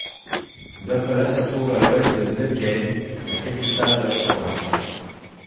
Zapala se trouve à à l'ouest de Neuquén, la capitale de la province.